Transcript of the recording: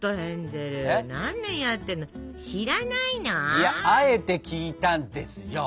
いやあえて聞いたんですよ。